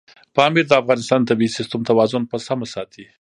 پامیر د افغانستان د طبعي سیسټم توازن په سمه ساتي.